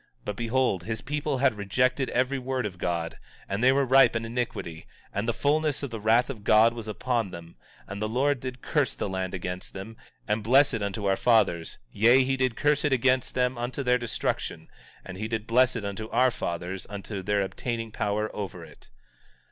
But behold, this people had rejected every word of God, and they were ripe in iniquity; and the fulness of the wrath of God was upon them; and the Lord did curse the land against them, and bless it unto our fathers; yea, he did curse it against them unto their destruction, and he did bless it unto our fathers unto their obtaining power over it.